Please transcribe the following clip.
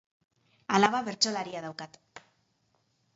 Alaba bertsolaria daukat.